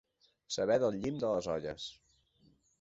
Saber del llim de les olles.